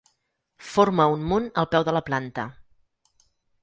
Forma un munt al peu de la planta.